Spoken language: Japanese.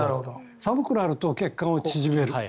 寒くなると血管を縮める。